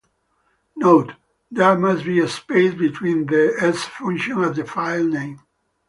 Note: There must be a space between the -s function and the file name.